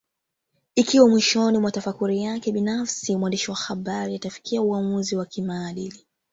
Ikiwa mwishoni mwa tafakuri yake binafsi mwandishi wa habari atafikia uamuzi wa kimaadili